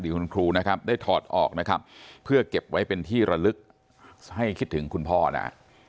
คุณครูนะครับได้ถอดออกนะครับเพื่อเก็บไว้เป็นที่ระลึกให้คิดถึงคุณพ่อนะฮะ